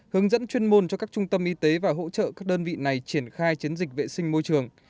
hướng dẫn chuyên môn cho các trung tâm y tế và hỗ trợ các đơn vị này triển khai chiến dịch vệ sinh môi trường